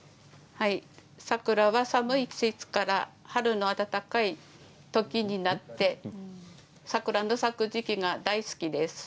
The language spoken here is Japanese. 桜は寒い季節から春の暖かいときになって桜が咲く時期が大好きです。